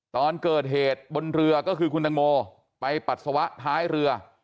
ตอนเกิดเหตุบนเรือก็คือคุณตังโมไปปัสสาวะท้ายเรือ